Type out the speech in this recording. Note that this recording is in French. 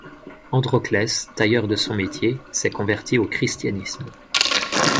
Androclès, tailleur de son métier, s'est converti au christianisme.